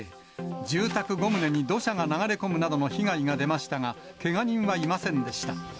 住宅５棟に土砂が流れ込むなどの被害が出ましたが、けが人はいませんでした。